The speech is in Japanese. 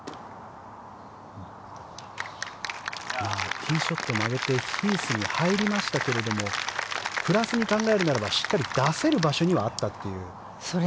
ティーショット、曲げてヒースに入りましたけどプラスに考えるならばしっかり出せる場所にはあったということですね。